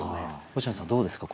星野さんどうですか？